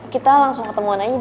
kita langsung ketemuan aja di mall